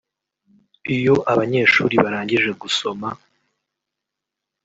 Iyo abanyeshuri barangije gusoma